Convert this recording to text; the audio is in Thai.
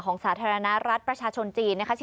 ของสาธารณรัฐประชาชนจีน